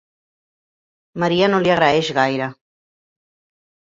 Maria no li agraeix gaire.